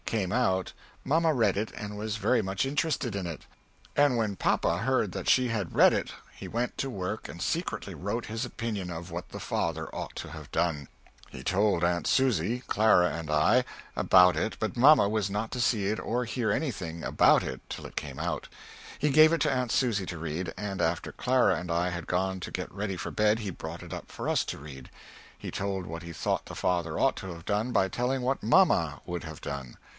came out Mamma read it, and was very much interested in it. And when papa heard that she had read it he went to work and secretly wrote his opinion of what the father ought to have done. He told Aunt Susy, Clara and I, about it but mamma was not to see it or hear any thing about it till it came out. He gave it to Aunt Susy to read, and after Clara and I had gone up to get ready for bed he brought it up for us to read. He told what he thought the father ought to have done by telling what mamma would have done.